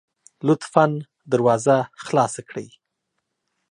لطفا دروازه خلاصه کړئ